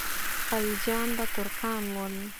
خلجیان به ترکان ول.